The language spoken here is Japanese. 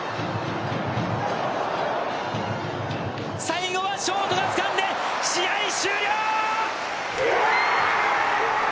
最後はショートがつかんで試合終了。